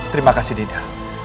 terima kasih dinda